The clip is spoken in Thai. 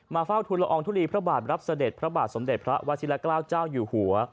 เฝ้าทุนละอองทุลีพระบาทรับเสด็จพระบาทสมเด็จพระวชิลเกล้าเจ้าอยู่หัว